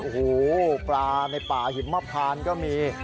โอ้โหปลาในป่าหิมพานก็มี